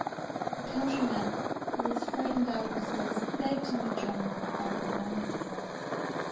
The countryman, who was frightened out of his wits, begged him to draw near the fire and warm himself.